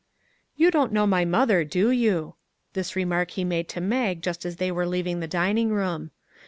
" You don't know my mother, do you ?" This remark he made to Mag just as they were leaving the dining room.